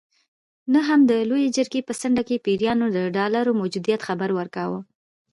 نه هم د لویې جرګې په څنډه کې پیریانو د ډالرو موجودیت خبر ورکاوه.